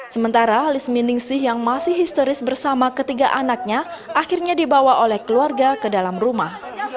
sementara lis miningsih yang masih histeris bersama ketiga anaknya akhirnya dibawa oleh keluarga ke dalam rumah